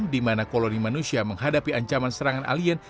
di mana koloni manusia menghadapi ancaman serangan alien